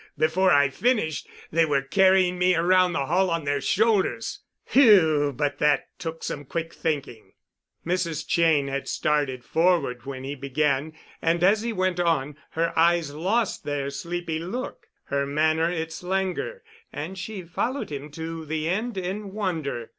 Before I finished they were carrying me around the hall on their shoulders. Phew—but that took some quick thinking." Mrs. Cheyne had started forward when he began, and, as he went on, her eyes lost their sleepy look, her manner its languor, and she followed him to the end in wonder.